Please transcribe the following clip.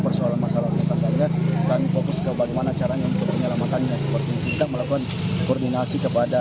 termasuk penguatang kebakaran dari pemerintah sempat sempat dan pihak kepolisian